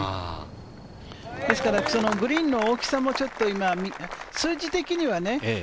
ですから、グリーンの大きさもちょっと数字的にはね。